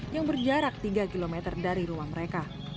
yang berjarak tiga km dari rumah mereka